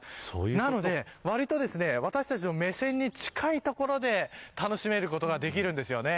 なので、わりと私たちの目線に近い所で楽しめることができるんですよね。